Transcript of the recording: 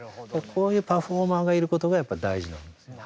こういうパフォーマーがいることがやっぱり大事なんですよね。